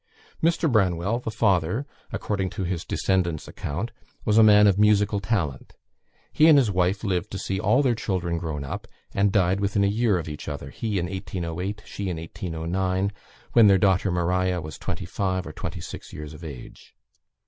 Mr. Branwell, the father, according to his descendants' account, was a man of musical talent. He and his wife lived to see all their children grown up, and died within a year of each other he in 1808, she in 1809, when their daughter Maria was twenty five or twenty six years of age.